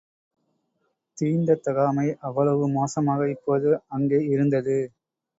தீண்டத்தகாமை அவ்வளவு மோசமாக அப்போது அங்கே இருந்தது.